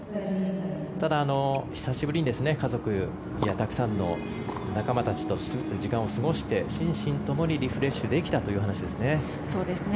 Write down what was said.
ただ、久しぶりに家族やたくさんの仲間たちと時間を過ごして心身ともにリフレッシュできたという話ですね。